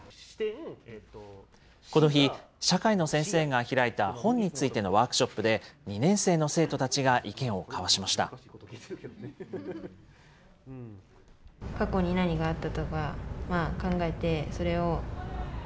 この日、社会の先生が開いた本についてのワークショップで、２年生の生徒たちが意見を交わしました。